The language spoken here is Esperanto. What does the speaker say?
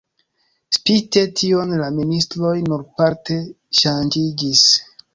Spite tion la ministroj nur parte ŝanĝiĝis.